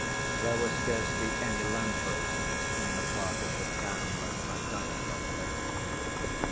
There were scarcely any lamp‐posts in the part of the town where Smerdyakov lived.